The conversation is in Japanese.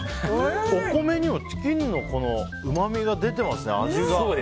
お米にもチキンのうまみが出てますね、味が。